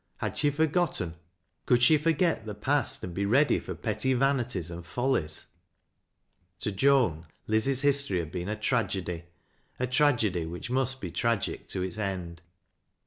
Had she forgotten — <onld she forget the past and be ready for petty vanities and follies? To Joan, Liz's history had been a tragedy— a tragedy which must be tragic to its end.